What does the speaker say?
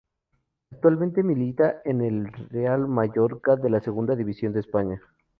Actualmente milita en el Real Mallorca de la Segunda División de España.